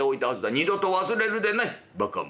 二度と忘れるでないバカ者。